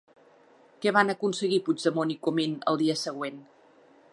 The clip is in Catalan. Què van aconseguir Puigdemont i Comín el dia següent?